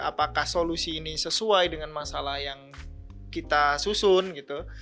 apakah solusi ini sesuai dengan masalah yang kita susun gitu